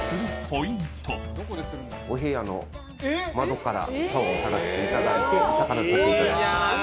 お部屋の窓からさおを垂らしていただいて、魚釣っていただきます。